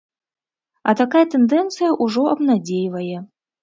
А такая тэндэнцыя ўжо абнадзейвае.